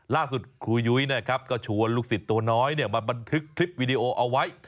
ล่าสุดคุณครูยุ้ยก็ชวนลูกสิทธิ์ตัวน้อยมาบันทึกคลิปวิดีโอเอาไว้